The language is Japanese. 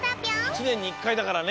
いちねんに１かいだからね。